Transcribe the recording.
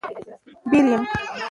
بېل. √ یوم